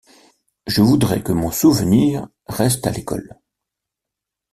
Je voudrais que mon souvenir reste à l'école.